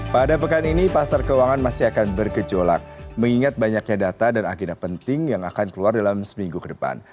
pada pekan ini pasar keuangan masih akan bergejolak mengingat banyaknya data dan agenda penting yang akan keluar dalam seminggu ke depan